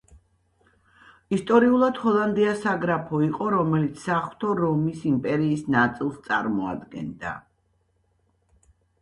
ისტორიულად ჰოლანდია საგრაფო იყო, რომელიც საღვთო რომის იმპერიის ნაწილს წარმოადგენდა.